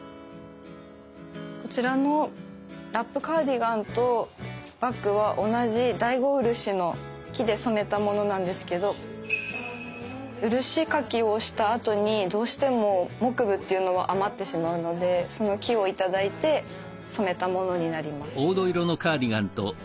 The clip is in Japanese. こちらのラップカーディガンとバッグは同じ大子漆の木で染めたものなんですけど漆かきをしたあとにどうしても木部っていうのは余ってしまうのでその木を頂いて染めたものになります。